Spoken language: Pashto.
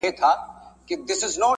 هر څوک غواړي چي کابل کي یې